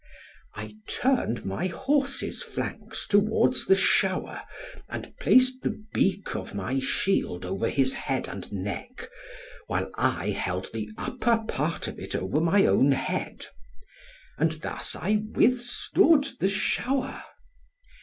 I turned my horse's flanks towards the shower, and placed the beak of my shield over his head and neck, while I held the upper part of it over my own head. And thus I withstood the shower.